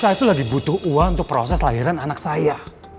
saya itu lagi butuh uang untuk proses lahiran anak saya